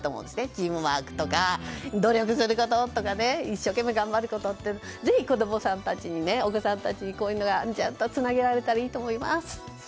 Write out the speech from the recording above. チームワークとか努力することとか一生懸命頑張ることとかぜひ子供さんたちお子さんたちに、こういうのがちゃんとつなげられたらいいと思います。